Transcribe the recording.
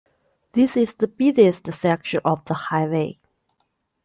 This is the busiest section of the highway.